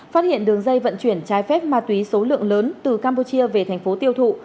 phát hiện đường dây vận chuyển trái phép ma túy số lượng lớn từ campuchia về tp tiêu thụ